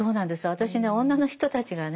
私ね女の人たちがね